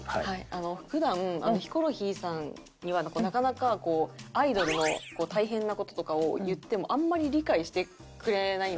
普段ヒコロヒーさんにはなかなかこうアイドルの大変な事とかを言ってもあんまり理解してくれないんですね。